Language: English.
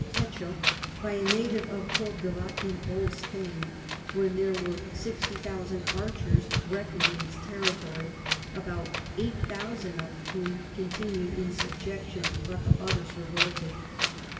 Techo, by a Native of Cordoua in Old Spain, when there were 60000 Archers reckon'd in its Territory, about 8000 of whom continu'd in subjection, but the others revolted.